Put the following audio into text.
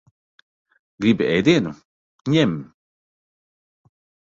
Gribi ēdienu? Ņem.